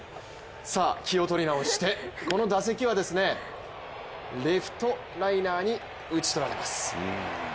気を取り直してこの打席はレフトライナーに打ち取られます